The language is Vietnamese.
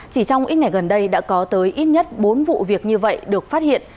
chỉ trong ít ngày gần đây đã có tới ít nhất bốn vụ việc như vậy được phát hiện